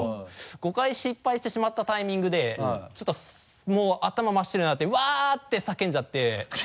５回失敗してしまったタイミングでちょっともう頭真っ白になって「うわぁ！」って叫んじゃって。